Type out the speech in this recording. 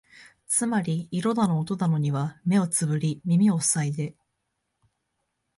つまり色だの音だのには目をつぶり耳をふさいで、